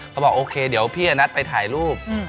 บอกโอเคเดี๋ยวพี่จะนัดไปถ่ายรูป